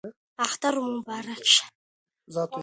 اختر مو مبارک شه